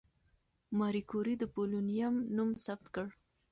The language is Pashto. ماري کوري د پولونیم نوم ثبت کړ.